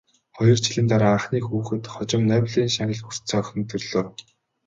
Хоёр жилийн дараа анхны хүүхэд, хожим Нобелийн шагнал хүртсэн охин нь төрлөө.